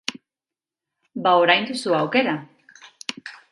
Ba orain duzu aukera!